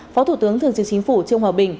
phó thủ tướng thường trực chính phủ trương hòa bình